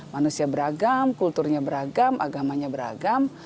manusia beragam kulturnya beragam agamanya beragam